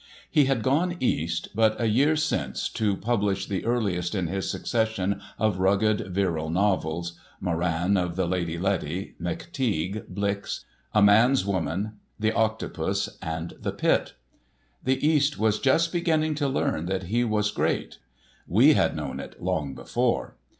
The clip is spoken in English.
He had gone East but a year since to publish the earliest in his succession of rugged, virile novels—"Moran of the Lady Letty," "McTeague," "Blix," "A Man's Woman," "The Octopus," and "The Pit." The East was just beginning to learn that he was great; we had known it long before.